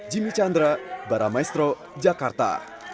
jimmy chandra baramaestro jakarta